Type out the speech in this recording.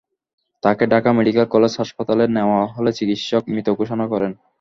তাকে Dhaka medical college হাসপাতালে নেওয়া হলে চিকিৎসক মৃত ঘোষণা করেন।